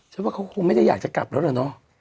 ว่าเขาคงไม่ได้อยากจะกลับแล้วล่ะเนาะ